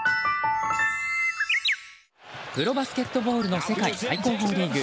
プロバスケットボールの世界最高峰リーグ